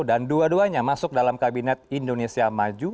dan dua duanya masuk dalam kabinet indonesia maju